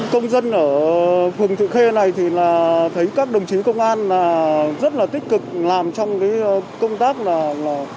công dân ở phường thượng khê này thì là thấy các đồng chí công an rất là tích cực làm trong cái công tác là